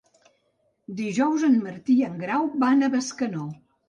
Dijous en Martí i en Grau van a Bescanó.